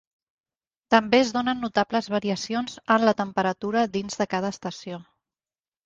També es donen notables variacions en la temperatura dins de cada estació.